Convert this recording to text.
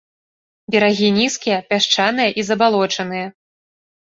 Берагі нізкія, пясчаныя і забалочаныя.